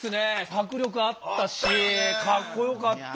迫力あったしかっこよかった。